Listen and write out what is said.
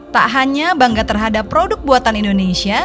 tak hanya bangga terhadap produk buatan indonesia